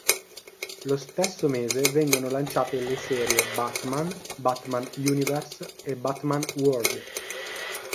Lo stesso mese vengono lanciate le serie "Batman", "Batman Universe" e "Batman World".